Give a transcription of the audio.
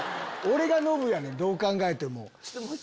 俺がノブやねんどう考えても。